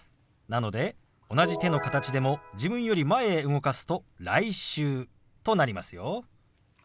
なので同じ手の形でも自分より前へ動かすと「来週」となりますよ。